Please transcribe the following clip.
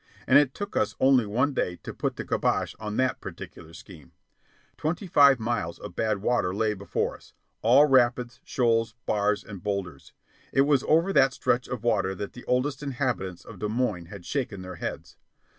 And it took us only one day to put the "kibosh" on that particular scheme. Twenty five miles of bad water lay before us all rapids, shoals, bars, and boulders. It was over that stretch of water that the oldest inhabitants of Des Moines had shaken their heads.